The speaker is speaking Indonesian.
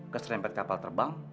keserempet kapal terbang